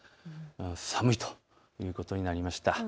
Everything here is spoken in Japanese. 寒いということになりました。